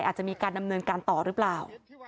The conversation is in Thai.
อาจจะมีการดำเนินการต่อหรือเปล่า